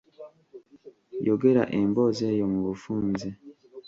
Yogera emboozi eyo mu bufunze.